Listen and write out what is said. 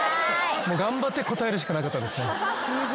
もう頑張って答えるしかなかったですね。